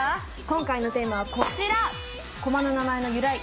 今回のテーマはこちら！